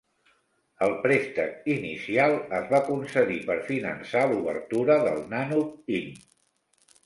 El préstec inicial es va concedir per finançar l'obertura del Nanuq Inn.